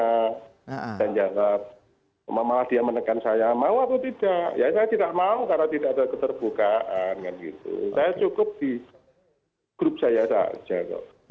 dan jawab malah dia menekan saya mau atau tidak ya saya tidak mau karena tidak ada keterbukaan kan gitu saya cukup di grup saya saja kok